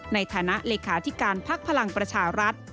ในฐานะเลขาธิการพักพลังประชารัฐ